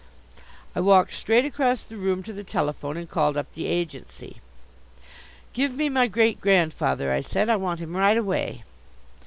I walked straight across the room to the telephone and called up the agency. "Give me my great grandfather," I said. "I want him right away."